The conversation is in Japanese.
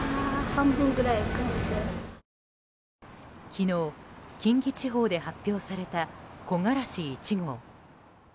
昨日、近畿地方で発表された木枯らし１号。